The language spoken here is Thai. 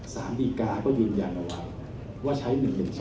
สารดีกาก็ยืนยันเอาไว้ว่าใช้๑๑๒